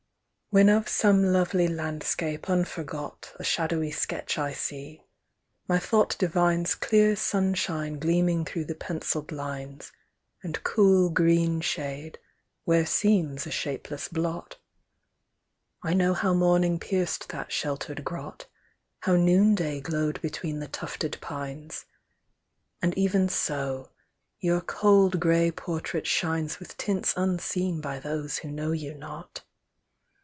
When of some lovely landscape unforgot A shadowy sketch I see, my thought divines Clear sunshine gleaming through the pencilled lines,, And cool green shade, where seems a shapeless blot : I know how morning pierced that sheltered grot, How noonday glowed between the tufted pines ; And even so, your cold grey portrait shines With tints unseen by those who know you not.